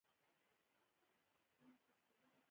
زړه د طبیعت نرموالی لري.